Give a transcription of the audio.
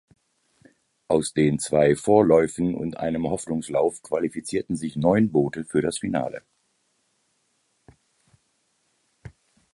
Aus den zwei Vorläufen und einem Hoffnungslauf qualifizierten sich neun Boote für das Finale.